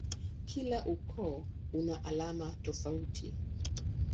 Kila ukoo una alama tofauti.